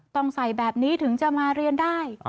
ต้องใส่แบบนี้ถึงจะมาเรียนได้